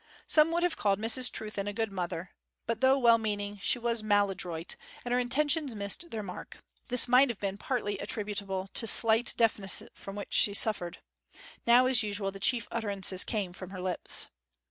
Some would have called Mrs Trewthen a good mother; but though well meaning she was maladroit, and her intentions missed their mark. This might have been partly attributable to the slight deafness from which she suffered. Now, as usual, the chief utterances came from her lips.